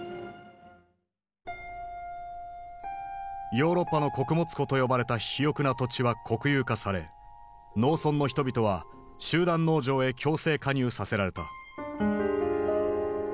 「ヨーロッパの穀物庫」と呼ばれた肥沃な土地は国有化され農村の人々は集団農場へ強制加入させられた。